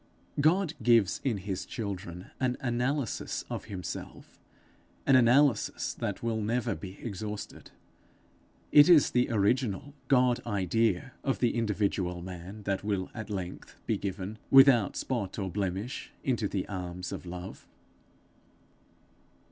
God gives in his children an analysis of himself, an analysis that will never be exhausted. It is the original God idea of the individual man that will at length be given, without spot or blemish, into the arms of love.